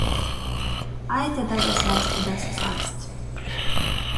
Eite dasasēst i dasys ēst.